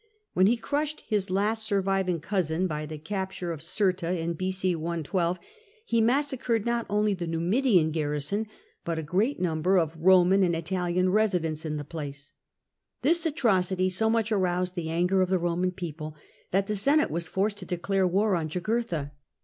When he crushed his last surviving cousin by the capture THE JUGURTHINE WAR 93 of Girta in B.O. 112, lie massacred not only the ITiimidian garrison, but a great number of Roman and Italian residents in the place. This atrocity so much aroused the anger of the Roman people that the Senate was forced to declare war on Jugurtha.